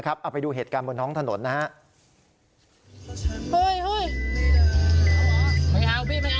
เอาไปดูเหตุการณ์บนท้องถนนนะครับ